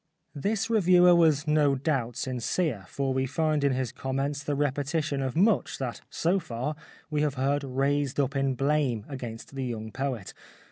This reviewer was no doubt sincere, for we find in his comments the repetition of much that, so far, we have heard raised up in blame against the young poet.